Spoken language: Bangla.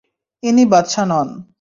ইনি বাদশাহ নন।